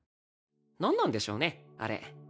何なんでしょうねあれ。